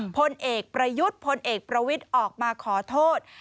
พลเอกประยุทธ์พลเอกประวิทย์ออกมาขอโทษ